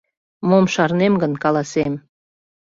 Мом шарнем гын, каласем.